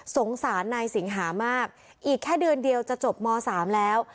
สงสารนายสิงหามากอีกแค่เดือนเดียวจะจบม๓แล้ว